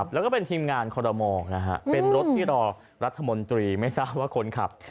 แล้วก็เป็นทีมงานคอรมอลเป็นรถที่รอรัฐมนตรีไม่ทราบว่าคนขับ